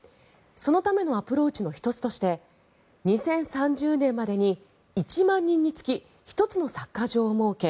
そのためのアプローチの１つとして２０３０年までに１万人につき１つのサッカー場を設け